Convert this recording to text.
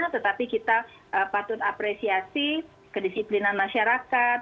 tetapi kita patut apresiasi kedisiplinan masyarakat